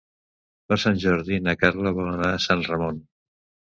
Per Sant Jordi na Carla vol anar a Sant Ramon.